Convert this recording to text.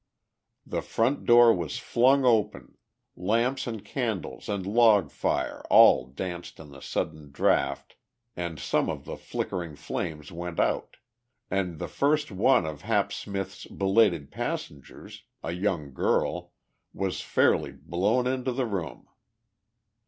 The front door was flung open, lamps and candles and log fire all danced in the sudden draft and some of the flickering flames went out, and the first one of Hap Smith's belated passengers, a young girl, was fairly blown into the room.